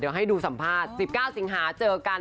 เดี๋ยวให้ดูสัมภาษณ์๑๙สิงหาเจอกัน